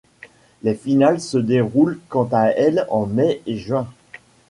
Les finales se déroulent quant à elles en mai et juin.